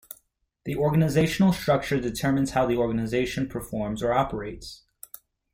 The organizational structure determines how the organization performs or operates.